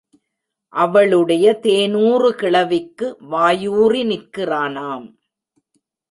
அவளுடைய தேனூறு கிளவிக்கு வாயூறி நிற்கிறானாம்.